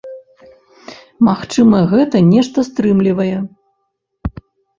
Магчыма гэта нешта стрымлівае.